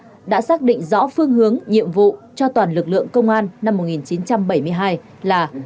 bộ công an đã xác định rõ phương hướng nhiệm vụ cho toàn lực lượng công an năm một nghìn chín trăm bảy mươi hai là